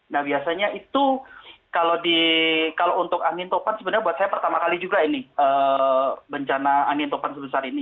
nah biasanya itu kalau untuk angin topan sebenarnya buat saya pertama kali juga ini bencana angin topan sebesar ini